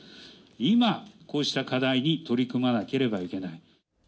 今、こうした課題に取り組まなければいけない。